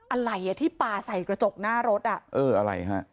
อะไรอ่ะที่ปลาใส่กระจกหน้ารถอ่ะเอออะไรฮะ